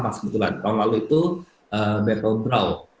kan sebetulnya tahun lalu itu battle brawl